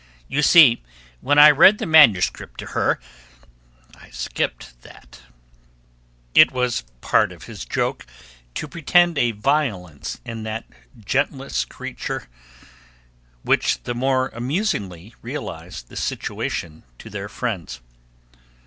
You see, when I read the manuscript to her I skipped that." It was part of his joke to pretend a violence in that gentlest creature which the more amusingly realized the situation to their friends.